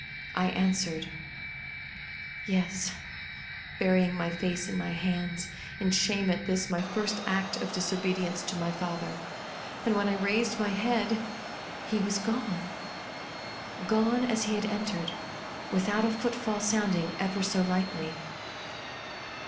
I answered, "yes," burying my face in my hands, in shame at this ray first act of dis obedience to my father ; and, when I raised my head, he was gone. Gone as he had entered, without a footfall sounding ever so lightly.